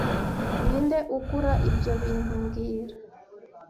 Ninde ugura ibyo bintu mbwira